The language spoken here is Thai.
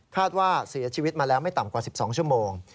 ว่าเสียชีวิตมาแล้วไม่ต่ำกว่า๑๒ชั่วโมง